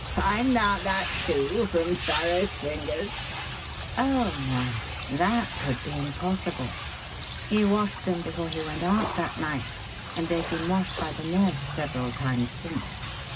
"Find out that, too, from Farrow's fingers?" "Oh, no that would be impossible. He washed them before he went out that night and they've been washed by the nurse several times since.